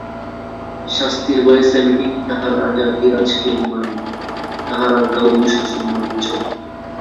শাস্তির ভয়ে সেমিটিক তাহার রাজাধিরাজকে মানে, তাঁহার আজ্ঞা ও অনুশাসন মানিয়া চলে।